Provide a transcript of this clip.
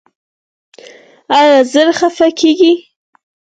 ایا ژر خفه کیږئ؟